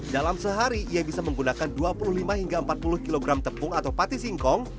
dalam sehari ia bisa menggunakan dua puluh lima hingga empat puluh kg tepung atau pati singkong